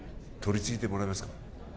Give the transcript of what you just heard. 取り次いでもらえますか？